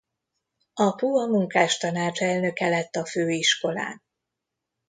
Apu a munkástanács elnöke lett a Főiskolán.